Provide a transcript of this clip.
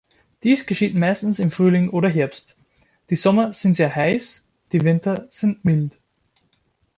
Dies geschieht meistens im Frühling oder Herbst; die Sommer sind sehr heiß, die Winter sind mild.